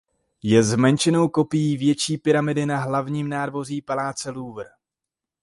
Je zmenšenou kopií větší pyramidy na hlavním nádvoří Paláce Louvre.